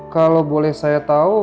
kalau boleh saya tahu